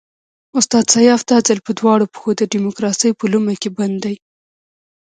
استاد سیاف دا ځل په دواړو پښو د ډیموکراسۍ په لومه کې بند دی.